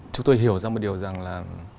chúng tôi hiểu ra một điều rằng là